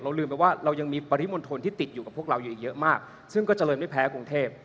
ลืมไปว่าเรายังมีปริมณฑลที่ติดอยู่กับพวกเราอยู่เยอะมากซึ่งก็เจริญไม่แพ้กรุงเทพ